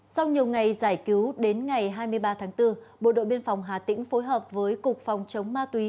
sau nhiều ngày giải cứu đến ngày hai mươi ba tháng bốn bộ đội biên phòng hà tĩnh phối hợp với cục phòng chống ma túy